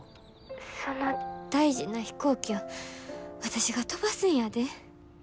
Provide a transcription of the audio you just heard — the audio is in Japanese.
その大事な飛行機を私が飛ばすんやで。